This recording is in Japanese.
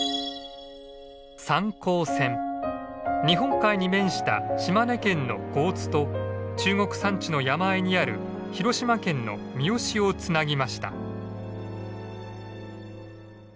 日本海に面した島根県の江津と中国山地の山あいにある広島県の三次をつなぎました。